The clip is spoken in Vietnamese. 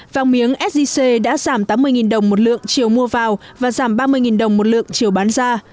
vàng miếng sgc đã giảm tám mươi đồng một lượng chiều mua vào và giảm ba mươi đồng một lượng chiều bán ra